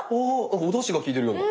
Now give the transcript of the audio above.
おだしが効いてるような。